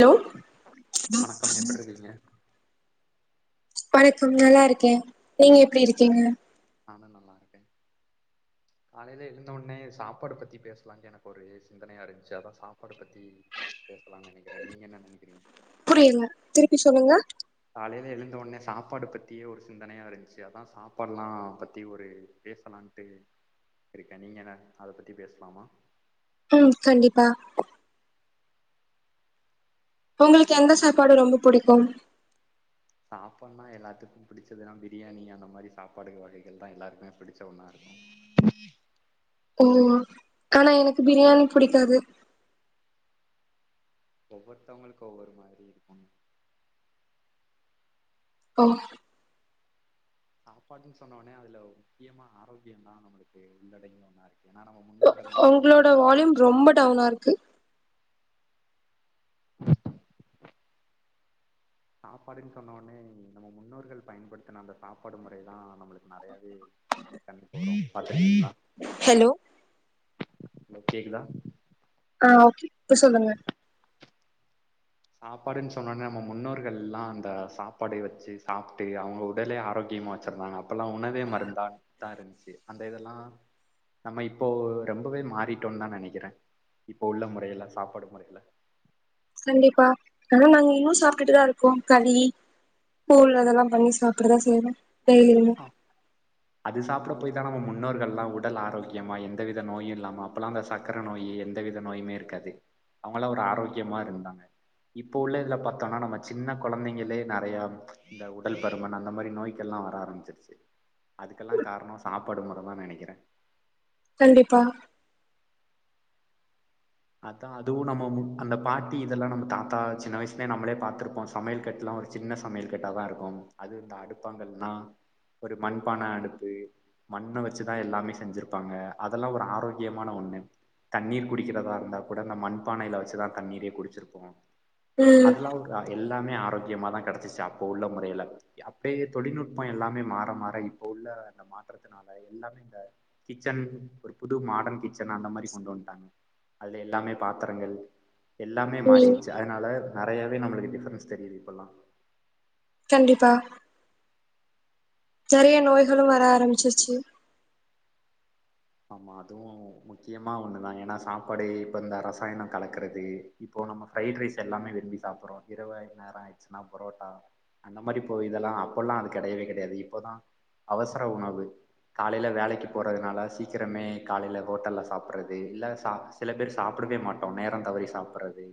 low வணக்கம் எப்டி இருக்கீங்க வணக்கம் நல்லாருக்கே நீங்க எப்டி இருக்கீங்க நானு நல்லாருக்கே காலைல எழுந்தவுனே சாப்பாடு பத்தி பேசலாண்டு எனக்கு ஒரு சிந்தனையா இருந்துச்சு அதா சாப்பாடு பத்தி பேசலாம் நெனைக்கிறே நீங்க என்ன நெனைக்கிறீங்க புரியலங்க திருப்பி சொல்லுங்க காலைல எழுந்தோனே சாப்பாடு பத்தியே ஒரு சிந்தனையா இருந்துச்சு அதா சாப்பாடுலா பத்தி ஒரு பேசலாண்ட்டு இருக்கே நீங்க என்ன அத பத்தி பேசலாமா ம் கண்டிப்பா உங்களுக்கு எந்த எனக்கு சாப்பாடு ரொம்ப புடிக்கும் சாப்பாடுனா எல்லாத்துக்கும் புடிச்சதுன்னா பிரியாணி அந்த மாரி சாப்பாடு வகைகள்தா எல்லாருக்குமே புடிச்ச ஒன்னா இருக்கு ஓ ஆனா எனக்கு பிரியாணி புடிக்காது ஒவ்வொருத்தவங்களுக்கு ஒவ்வொரு மாரி இருக்கும் ஓ சாப்பாடுன்னு சொன்னோனே அதுல முக்கியமா ஆரோக்கியந்தா நம்மளுக்கு உள்ளடங்கி ஒன்னா இருக் எனா நம்ம மு ஒங்களோட வால்யூம் ரொம்ப டவுனா இருக்கு [inaudible] சாப்பாடுன்னு சொன்னோனே நம்ம முன்னோ னோர்கள் பயன்படுத்தின அந்த சாப்பாடு முறை தா நம்மளுக்கு நெறையாவே கண்ணுக்கு வரு பாத்துருக்கீங்ளா ஹலோ ஹலோ கேக்குதா ஆ ஓக்கே இப்ப சொல்லுங்க சாப்பாடுன் சொன்னோனே நம்ம முன்னோர்கள்லா அந்த சாப்பாட வச்சு சாப்ட்டு அவுங்க உடலே ஆரோ க்கியமா வச்சிருந்தாங்க அப்பெல்லா உணவே மருந்தா தா இருந்துச்சு அந்த இதெல்லா நம்ம இப்போ ரொம்பவே மாறிட்டோன் தா நெனைக்கிறே இப்போ உள்ள முறைல சாப்பாடு முறைல கண்டிப்பா ஆனா நாங்க இன்னு சாப்ட்டுட்டுதா இருக்கோ களி கூழ் அதெல்லா பண்ணி சாப்படதா செய்றோ டெய்லி ஆ அது சாப்ட போய் தா நம்ம முன்னோர்கள்லா உடல் ஆரோக்கியமா எந்தவித நோயு இல்லாம அப்பல்லா அந்த ச க்கர நோயி எந்த வித நோயுமே இருக்காது அவங்களா ஒரு ஆரோக்கியமா இருந்தாங்க இப்போ உள்ள இதுல பாத்தோன்னா நம்ம சின்ன குழந்தைங்களே நெறையா இந்த உடல் பருமன் அந்த மாரி நோய் கள்லா வர ஆரம்பிச்ருச்சு அதுக்கெல்லா காரணோ சாப்பாடு முற தா நெனைக்கிறே கண்டிப்பா அதா அதுவு நம்ம ம் அந்த பாட்டி இதெல்லா நம்ம தாத்தா சின்ன வயசுலே நம்மளே பாத்துருப்போ சமையல் கட்லா ஒரு சின்ன சமையல் கட்டா தா இருக்கு அது இந்த அடுப்பாங்கல் னா ஒரு மண்பான அடுப்பு மண்ண வச்சுதா எல்லாமே செஞ்சிருப்பாங்க அதெல்லா ஒரு ஆரோக்கியமான ஒண்ணு தண்ணீர் குடிக்கிறதா ருந்தா கூட இந்த மண்பானைல வச்சு தா தண்ணீரே குடிச்சிருப்போ ம் அதெல்லா ஒ ரு அது எல்லாமே ஆரோக்கியமா தா கெடச்சிச்சு அப்போ உள்ள முறைல அப்பயே தொழில்நுட்ப எல்லாமே மாற மாற இப் இப்ப உள்ள இந்த மாற்றத்தினால எல்லாமே இந்த கிச்சன் ஒரு புது மாடன் கிச்சன் அந்த மாரி கொண்டு வன்ட்டாங்க அதுல எல்லாமே பாத்தரங்கள் எல்லாமே ம் மாறிடுச்சு அதனால நெறையாவே நம்மளுக்கு டிஃபரன்ஸ் தெரியுது இப்பல்லா கண்டிப்பா நெறைய நோய்களு வர ஆரம்பிச்சிருச்சு ஆமா அதுவு முக்கியமா ஒண்ணுதா ஏன்னா சாப்பாடு இப்ப இந்த ரசாயன கலக்கறது இப்போ நம்ம ஃப்ரைட்ரைஸ் எல்லாமே விரும்பி சாப்பர்றோ இரவு நேரோ ஆயிச்சுன்னா பரோட்டா அந்த மாரி போ இதெல்லா அப்பெல்லா அது கெடையவே கெடையாது இப்போதா அவசர உணவு காலைல வேலைக்கு போறதுனால சீ க்கிரமே காலைல ஹோட்டல்ல சாப்பறது இல்ல சா சில பேர் சாப்படவே மாட்டோ நேர தவறி சாப்பறது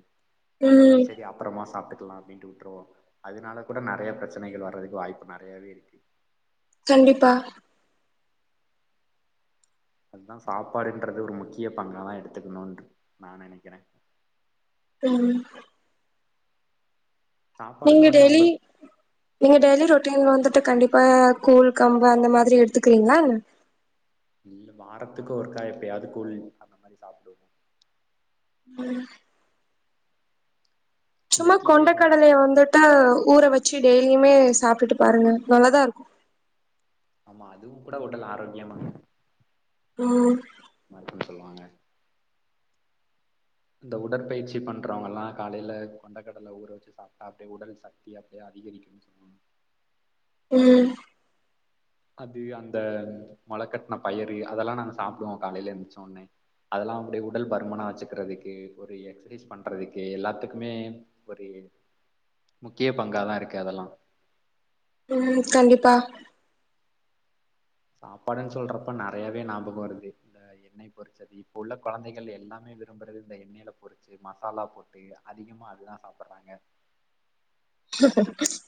அந்த மாரி ம் செரி அப்பறமா சாப்ட்டுக்ல்லா அப்டின்ட்டு வுட்ருவோ அதனால கூடநெறைய பிரச்சனைகள் வர்றதுக்கு வாய்ப்பு நறையாவே இருக்கு கண்டிப்பா அதா சாப்பாடுன்றது ஒரு முக்கிய பங்காதா எடுத்துக்கணுன்ட் நா நெனைக்கிறே ம் நீங்க சாப்பாடுன்னோனே டெய்லி உங்க நீங்க டெய்லி ரொட்டீன் வந்துட்டு கண்டிப்பா கூழ் கம்பு அந்த மாதிரி எடுத்துக்கிறீங்ளான்ன இல்ல வாரத்துக்கு ஒருக்கா எப்பயாது கூழ் அந்த மாரி சாப்டுவோ ம் இந்த சும்மா கீரை கொண்ட வகை கடலைய வந்துட்டு ஊற வச்சு டெய்லியுமே சாப்டுட்டு பாருங்க நல்லாதா இருக்கு ஆமா அதுவு கூட உடல் ஆரோக்கியமா ம் [unintelligible] குன் சொல்வாங்க அந்த உடற்பயிற்சி பண்றவங்கள்லா காலைல கொண்டக்கடல ஊற வச்சு சாப்ட்டா அப்டியே உடல் சக்தி அப்டியே அதிகரிக் கு சொல்வாங்க ம் அது அந்த மொளக்கட்ன பயறு அதெல்லா நாங்க சாப்டுவோ காலைல எந்த்ரச்ச ஒன்னே அதுல்லா அப்புடியே உடல் பருமனா வச்சுக்கிறதுக்கு ஒரு எக்ஸசைஸ் பண்றதுக்கு எல்லாத்துக்குமே ஒரு முக்கிய பங்காதா இருக்கு அதெல்லா ம் கண்டிப்பா சாப்பாடுன் சொல்றப்ப நறையாவே ஞாபகம் வருது இந்த ந்த எண்ணெய் பொரிச்சது இப்ப உள்ள கொழந்தைகள் எல்லாமே விரும்புறது இந்த எண்ணெயில பொரிச்சு மசாலா போட்டு டு அதிகமா அதுதா சாப்புட்றாங்க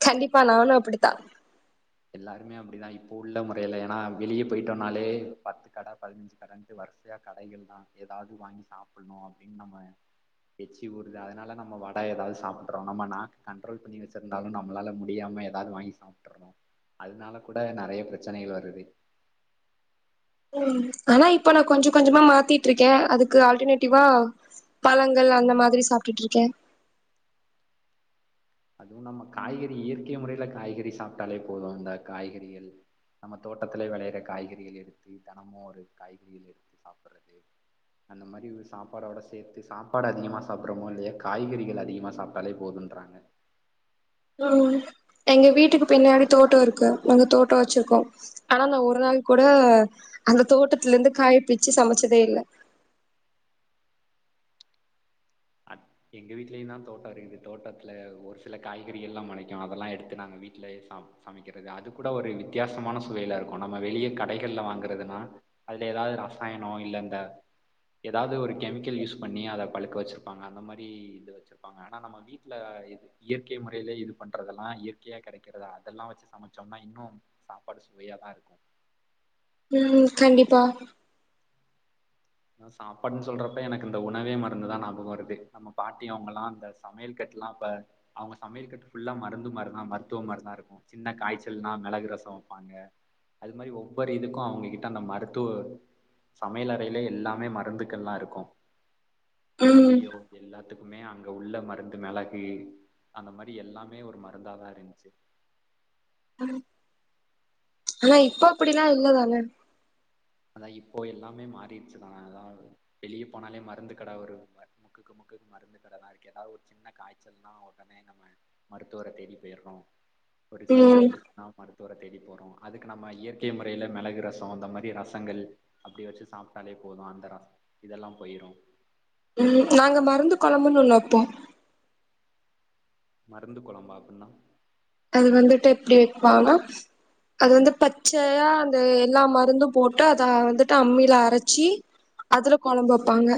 கண்டிப்பா நானு அப்புடித்தா எல்லாருமே அப்புடிதா இப்போ உள்ள முறையில ஏன்னா வெளியே போயிட்டோனாலே பத்து கட பதனஞ்சு கட ந்து வரிசையா கடைகள் தா ஏதாவது வாங்கி சாப்புட்ணு அப்புடின்னு நம்ம எச்சி ஊருது அதனால நம்ம வடை ஏதாவது சாப்புட்றோ நம்ம நாக்கு கண்ட்ரோல் பண்ணி வெச்சு இருந்தாலு நம்மளால முடியாம ஏதாவது வாங்கி சாப்ட்டுர்றோ அதனால கூட நறைய பிரச்சனைகள் வருது ம் ஆனா இப்ப நா கொஞ்சோ கொஞ்சமா மாத்திட்ருக்கே அதுக்கு ஆல்டர்னேட்டிவா பழங்கள் அந்த மாதிரி சாப்பிட்டுட்ருக்கே அதுவும் நம்ம காய்கறி இயற்கை முறையில காய்கறி சாப்ட்டாலே போது அந்த காய்கறிகள் நம்ம தோட்டத்துலே வெளையுற காய்கறிகள் எடுத்து தினமோ ஒரு காய்கறிகள் எடுத்து சாப்புட்றது அந்த மாரி ஒரு சாப்பாடோடு சேத்து சாப்பாடு அதிகமா சாப்புட்றமோ இல்லையோ காய்கறிகள் அதிகமா சாப்ட்டாலே போதுன்றாங்க ம் எங்க வீட்டுக்கு பின்னாடி தோட்டோ இருக்கு நாங்க தோட்டோ வெச்சிருக்கோ ஆனா நா ஒரு நாள் கூட அந்த தோட்டத்துலந்து காய் பிச்சு சமைச்சதே இல்ல அட் எங்க வீட்லயுந்தா தோட்டோ இருக்குது தோட்டத்துல ஒரு சில காய்கறிகள்லாம் மொளைக்கு அதெல்லா எடுத்து நாங்க வீட்லயே சாப் சமைக்கிறது அது கூட ஒரு வித்தியாசமான சுவைல இருக்கு நம்ம வெளியே கடைகள்ல வாங்கறதுனா அதுல ஏதாவது ரசாயனோ இல்ல இந்த ஏதாவது ஒரு கெமிக்கல் யூஸ் பண்ணி அத பழுக்க வச்சிருப் ப்பாங்க அந்த மாரி இது வச்சிருப்பாங்க ஆனா நம்ம வீட்ல இது இயற்கை முறையிலே இது பண்றதெல்லா இயற்கையா கொடைக்கிறதா அதெல்லா வச்சு சமைச்சோம்னா இன்னும் சாப்பாடு சுவையாதா இருக்கும் ம் கண்டிப்பா ந சாப்பாடுன்னு சொல்றப்ப எனக்கு இந்த உணவே மருந்துதா ஞாபகம் வருது நம்ம பாட்டி அவங்கல்லா அந்த சமையல் கட்டுலா இப்ப அவங்க சமையல் கட்டு ஃபுல்லா மருந்து மரு தா மருத்துவ மாரிதா இருக்கு சின்ன காய்ச்சல்னா மிளகு ரசோ வெப்பாங்க அது மாரி ஒவ்வொரு இதுக்கு அவங்க கிட்ட அந்த மருத்துவ சமையல அறையிலே எல்லாமே மருந்துகள்லா இருக்கும் ம் சளியோ எல்லாத்துக் க்குமே அங்க உள்ள மருந்து மெளகு அந்த மாரி எல்லாமே ஒரு மருந்தா தா இருந்ச்சு ம் ஆனா இப்போ அப்புடில்லா இல்ல தானே அதா இப்போ எல்லாமே மாரிட்ச்சுதா அதா வெளியே போனாலே மருந்து கடா ஒரு ம முக்குக்கு முக்கு மருந்து கடதா இருக்கு ஏதாவ்து ஒரு சின்ன காய்ச்சல்னா உடனே நம்ம மருத்துவர தேடி போயிட்ரோ ஒரு சளி ம் வந்துச்சுன்னா மருத்துவர தேடி போறோ அதுக்கு நம்ம இயற்கை முறையில மிளகு ரசோ அந்த மாரி ரச தங்கள் அப்புடி வச்சு சாப்ட்டாலே போது அந்த ரச இதெல்லா போயிரு ம் நாங்க மருந்து கொழம்புன்னு ஒன்னு வப்போ மருந்து கொழம்பா அப்புட்ன்னா அது வந்துட்டு எப்டி வெப்பாங்ன்னா அது வந்து பச்சையா அந்த எல்லா மருந்தும் போட்டு அத வந்துட்டு அம்மில அரச்சி அதுல கொழம்பு வெப்பாங்க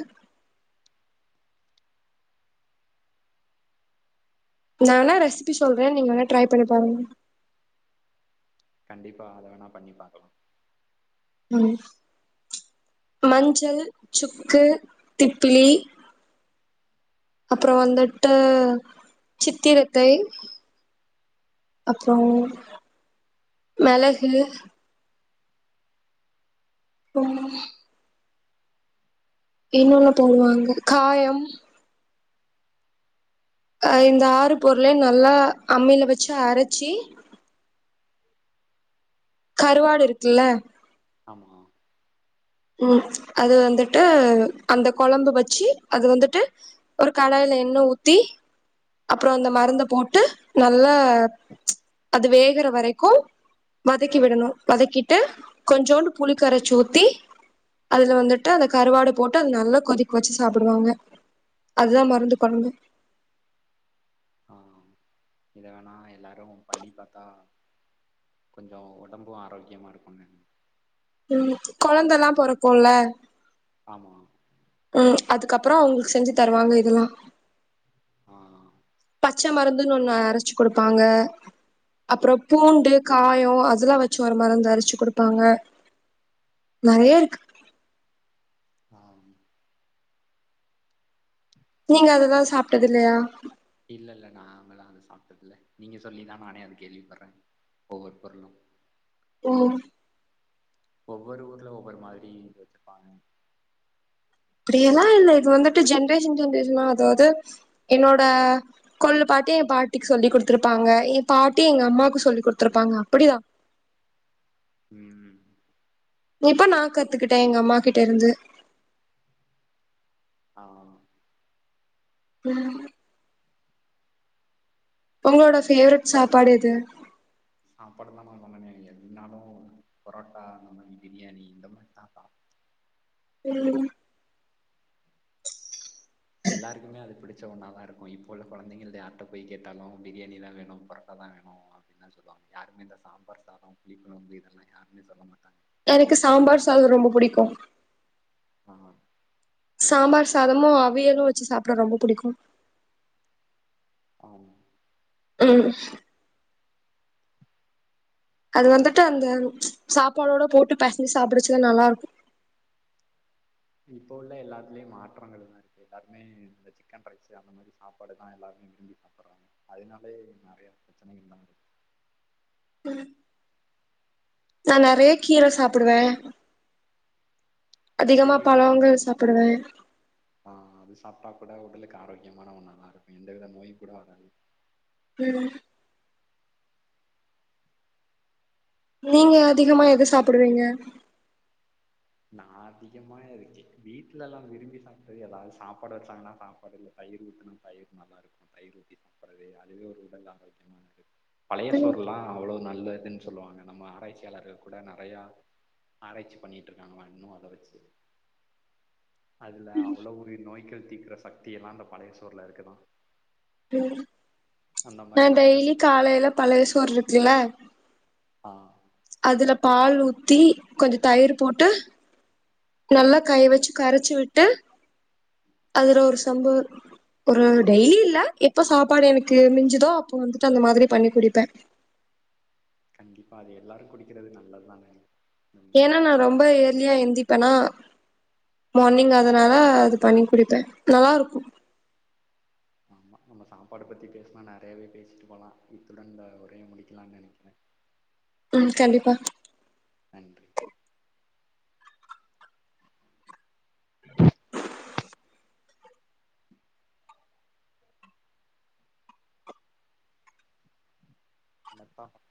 நா வேணா ரெசிப்பி சொல்றே நீங்க வேணா ட்ரை பண்ணி பாருங்க கண்டிப்பா அத வேணா பண்ணி ப பாக்கலா ம் மஞ்சள் சுக்கு திப்ளி அப்ற வந்துட்டு சித்திரத்தை அப்ற மிளகு [unintelligible] இன்னும்ள்ள போடுவாங்க காயம் இந்த ஆறு பொருளையு நல்லா அம்மியில வச்ச அரச்சி கருவாடு இருக்குல்ல ஆமா ம் அது வந்துட்டு அந்த குழம்பு வச்சு அது வந்துட்டு ஒரு கடாய்ல எண்ணெ ஊத்தி அப்ற அந்த மருந்த போட்டு நல்லா அது வேகுற வரைக்கு வதக்கி விடணு வதக்கிட்டு கொஞ்சோண்டு புளி கரைச்சி ஊத்தி அதுல வந்துட்டு அந்த கருவாடு போட்டு அது நல்லா கொதிக்க வச்சு சாப்டுவாங்க அதுதா மருந்து குழம்பு ஆ இத வேணா எல்லாரு பண்ணி பார்த்தா கொஞ்ச உடம்பு ஆரோக்கியமா இருக்கும்னு ம் குழந்தல்லா போறக்கும்ல ஆமா ம் அதுக்கப்ற அவங்களுக்கு செஞ்சு தருவாங்க இதெல்லா ஆ பச்ச மருந்துனு ஒன்னு அரச்சு கொடுப்பாங்க அப்பற பூண்டு காய அதெல்லா வச்சு ஒரு மருந்து அரச்சு கொடுப்பாங்க நெறைய இருக்கு ஆ நீங்க அதெல்லா சாப்ட்டது இல்லயா இல்ல இல்ல நாங்களா அத சாப்ட்டதில்ல நீங்க சொல்லி தா நானே அது கேள்விப்படுற ஒவ்வொரு பொருளும் ம் ஒவ்வொரு ஊர்ல ஒவ்வொரு மாதிரி வச்சிருப்பாங்க அப்டியெல்லா இல்ல இது வந்துட்டு ஜென்ரேஷன் ஜென்ரேஷனலா அதாவது என்னோட கொல்லு பாட்டி எய பாட்டிக்கு சொல்லி் கொடுத்திருப்பாங்க எய பாட்டி எங்க அம்மாவுக்கு சொல்லி் கொடுத்திருப்பாங்க அப்டிதா ம் ம் இப்ப நா கத்துக்கிட்ட எங்க அம்மா கிட்ட இருந்து ஆ ம் உங்களோட ஃபேவரைட் சாப்பாடு எது சாப்பாடு எல்லா நா பண்ணதுல்ல என்னாலு பரோட்டா இந்தந்த மாதிரி பிரியாணி இந்த மாதிரி தான்ப்ப ம் எல்லாருக்குமே அது பிடிச்ச உணவா தா இருக்கு இப்போ உள்ள குழந்தைங்கள யார்ட்ட போய் கேட்டாலு பிரியாணி தா வேணு பரோட்டா தா வேணு என்ன சொல்லுவாங்க யாருமே இந்த சாம்பார் சாத புளி குழம்பு இதெல்லா யாருமே சொல்ல மாட்டாங்க எனக்கு சாம்பார் சாத ரொம்ப பிடிக்கு ஆ சாம்பார் சாதமும் அவியலும் வச்சு சாப்புடுவ ரொம்ப பிடிக்கு ஆ ம் அது வந்துட்டு அந்த சாப்பாடோட போட்டு பெசஞ்சி சாப்பிடச்ச நல்லா இருக்கோ இப்போ உள்ள எல்லாத்துலயு மாற்றங்கள் எல்லா இருக்கு எல்லாருமே இந்த சிக்கன் ரைஸ் அந்த மாதிரி சாப்பாடு தா எல்லாமே அப்பறோ அதனாலே நறைய பிரச்சனைகள் தா இருக்கு சொல்லுங்க தோழரே கீர சாப்புடுவே அதிகமா பழங்கள் சாப்புடுவே அ அது சாப்ட்டா கூட உடலுக்கு ஆரோக்கியமான ஒ நல்லா இருக்கு எந்தவித நோய் கூட வராது ம் நீங்க அதிகமா எத சாப்பிடுவீங்க நா அதிகமா இருக்கு வீட்லலா விரும்பி சாப்ட்டது ஏதாவது சாப்பாடு வெச்சாங்கன்னா சாப்பாடு இல்ல தயிர் ஊத்தனு தயிர் நல்லா இருக்கு தயிர் ஊத்தி சாப்புறதே அதுவே ஒரு உடல் ஆரோக்கியமானது பழைய ம் சோறுல்லா அவ்வளவு நல்லதுன்னு சொல்லுவாங்க நம்ம ஆராய்ச்சியாளர்கள் கூட நறையா ஆராய்ச்சி பண்ணி ட்ருக்காங்களா இன்னு அத வெச்சி அதுல அவ்வளோ பெரிய நோய்கள் தீக்குற சக்தி எல்லா அந்த பழையசோறுல இருக்குதா அந்த நா மாரி நெறைய டெய்லி சொல் காலையில பழய சோறு இருக்குல ஆ அதுல பால் ஊத்தி கொஞ்ச தயிர் போட்டு நல்லா கைய வெச்சு கரைச்சு விட்டு அதுல ஒரு சொம்பு ஒரு டெய்லி இல்ல எப்ப சாப்பாடு எனக்கு மிஞ்சுதோ அப்போ வந்துட்டு அந்த மாதிரி பண்ணி குடிப்பே கண்டிப்பா அது எல்லாரு குடிக்கிறது நல்லதுதான ரொம்ப ஏர்லியா இப்ப நா ஆ மார்னிங் அதனால அது பண்ணி குடிப்பே நல்லா இருக்கோ ஆமா நம்ம சாப்பாட பத்தி பேசுனா நறையவே பேசிட்டு போலா இத்துடன் இந்த உரைய முடிக்கலான்னு நெனைக்கிற ம் கண்டிப்பா நன்றி [unintelligible]